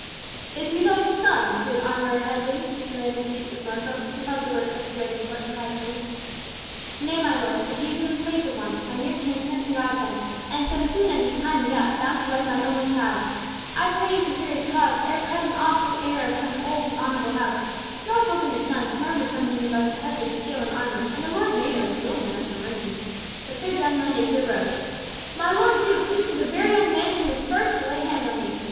"Is he thy son, good Armourer Headley?" demanded the Duke of Norfolk, who held the work of the Dragon court in high esteem. "Nay, my Lord Duke, but he is in the place of one, my near kinsman and godson, and so soon as his time be up, bound to wed my only child! I pray you to hear his cause, ere cutting off the heir of an old and honourable house." Norfolk and his sons murmured something about the Headley skill in armour, and the Lord Mayor was willing enough for mercy, but Sir John Mundy here rose: "My Lord Duke, this is the very young man who was first to lay hands on me!